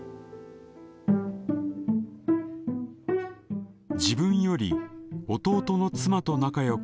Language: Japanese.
自分より弟の妻と仲良くする母。